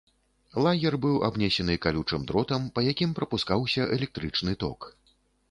Лагер быў абнесены калючым дротам, па якім прапускаўся электрычны ток.